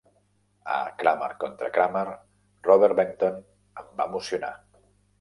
A "Kramer contra Kramer", Robert Benton em va emocionar.